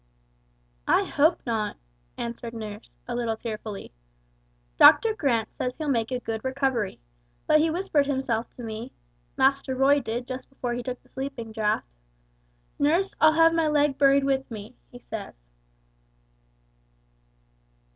"I hope not," answered nurse, a little tearfully. "Doctor Grant says he'll make a good recovery, but he whispered himself to me Master Roy did just before he took the sleeping draught 'Nurse I'll have my leg buried with me!' he says."